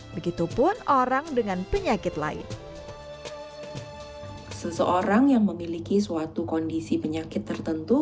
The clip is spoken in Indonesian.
begitupun orang dengan penyakit lain seseorang yang memiliki suatu kondisi penyakit tertentu